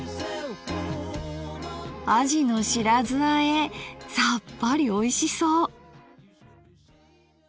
あじの白酢あえさっぱりおいしそう。